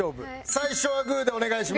「最初はグー」でお願いします。